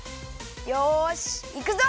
よしいくぞ！